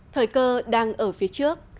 thời cơ đang ở phía trước